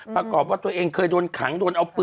ประกอบว่าตัวเองเคยโดนขัง